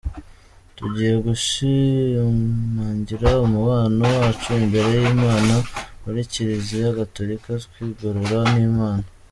Tugiye gushiamngira umubano wacu imbere y’Imana muri Kiliziya Gatulika twigorora n’Imana”.